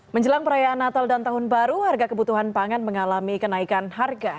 menjelang perayaan natal dan tahun baru harga kebutuhan pangan mengalami kenaikan harga